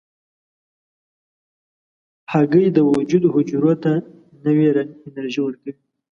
هګۍ د وجود حجرو ته نوې انرژي ورکوي.